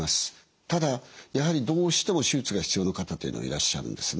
ただやはりどうしても手術が必要な方というのはいらっしゃるんですね。